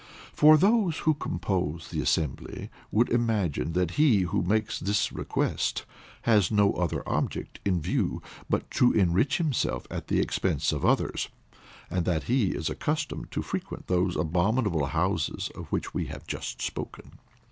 For, those who composed the assembly, would imagine that he who makes this request, has no other object in view but to enrich himself at the expense of others, and that he is accustomed to frequent those abominable houses of which we have just spoken.